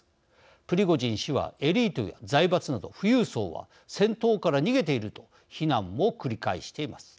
プリゴジン氏はエリートや財閥など富裕層は戦闘から逃げていると非難も繰り返しています。